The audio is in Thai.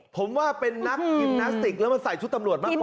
ผมว่าเป็นนักยิมพลาสติกแล้วมาใส่ชุดตำรวจมากกว่า